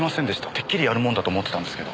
てっきりやるもんだと思ってたんですけど。